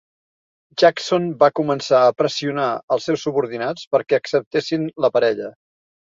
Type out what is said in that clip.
Jackson va començar a pressionar els seus subordinats perquè acceptessin la parella.